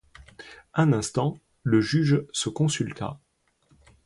Un instant, le juge se consulta.